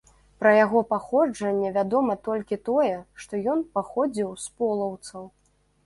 Пра яго паходжанне вядома толькі тое, што ён паходзіў з полаўцаў.